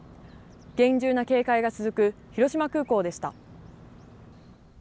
厳重な警戒が続く広島空港でした。